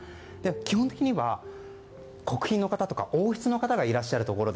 基本的には国賓の方とか王室の方がいらっしゃるところ。